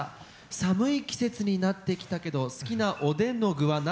「寒い季節になってきたけど好きなおでんの具は何？」